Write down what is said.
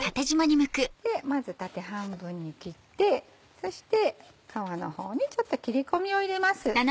でまず縦半分に切ってそして皮の方にちょっと切り込みを入れます。